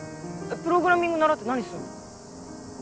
プログラミング習って何すんの？